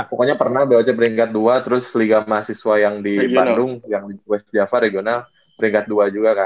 pokoknya pernah boc peringkat dua terus liga mahasiswa yang di bandung yang di west java regional peringkat dua juga kan